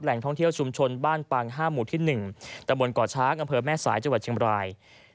ท่องเที่ยวชุมชนบ้านปาง๕หมู่ที่๑ตะบนก่อช้างอำเภอแม่สายจังหวัดเชียงบราย